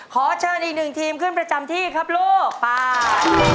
ขอเชิญอีกหนึ่งทีมขึ้นประจำที่ครับลูกไป